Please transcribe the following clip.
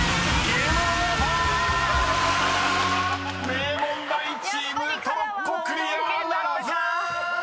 ［名門大チームトロッコクリアならず！］